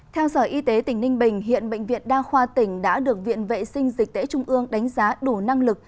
theo sở y tế tỉnh ninh bình hiện bệnh viện đa khoa tỉnh đã được viện vệ sinh dịch tễ trung ương đánh giá đủ năng lực